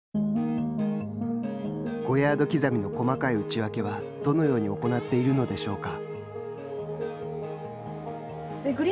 ５ヤード刻みの細かい打ち分けはどのように行っているのでしょうか。